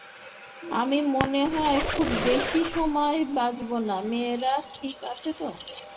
আমি মনে হয় খুব বেশি সময় বাঁচব না মেয়েরা ঠিক আছে তো?